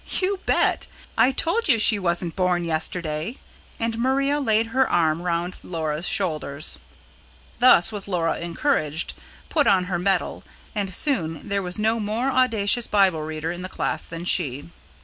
"You bet! I told you she wasn't born yesterday." And Maria laid her arm round Laura's shoulders. Thus was Laura encouraged, put on her mettle; and soon there was no more audacious Bible reader in the class than she.